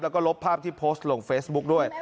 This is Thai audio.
แล้วก็ลบภาพที่โพสต์ลงเฟซบุ๊กด้วย